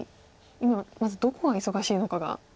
今まずどこが忙しいのかが。